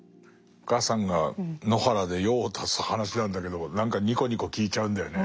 お母さんが野原で用を足す話なんだけど何かニコニコ聞いちゃうんだよね。